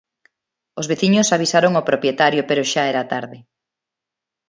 Os veciños avisaron o propietario, pero xa era tarde.